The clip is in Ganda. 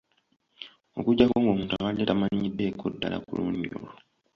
Okuggyako ng'omuntu abadde tamanyiddeeko ddala ku lulumi olwo.